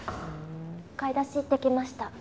買い出し行ってきました。